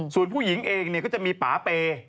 ส่วนผู้หญิงเองก็จะมีป่าเปย์